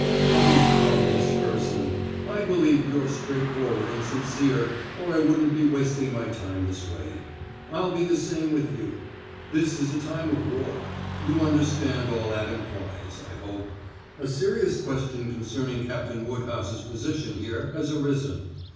"Come come, Miss Gerson! I believe you're straightforward and sincere or I wouldn't be wasting my time this way. I'll be the same with you. This is a time of war; you understand all that implies, I hope. A serious question concerning Captain Woodhouse's position here has arisen.